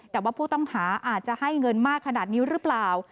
แต่ว่าผู้ต้องหาอาจจะให้เงินมากขนาดนี้หรือเปล่า